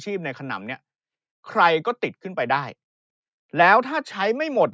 ในขนำเนี้ยใครก็ติดขึ้นไปได้แล้วถ้าใช้ไม่หมด